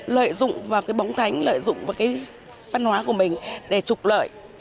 lợi dụng vào cái bóng thánh lợi dụng vào cái văn hóa của mình để trục lợi